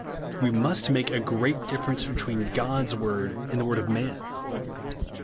"My son," says God, * "We must make a great difference between God's word and the word of man.